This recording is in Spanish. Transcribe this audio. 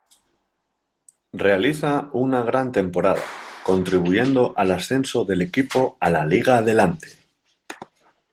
Realiza una gran temporada, contribuyendo al ascenso del equipo a la Liga Adelante.